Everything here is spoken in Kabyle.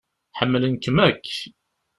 Ḥemmlen-kem akk.